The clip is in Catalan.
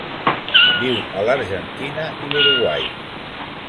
Viu a l'Argentina i l'Uruguai.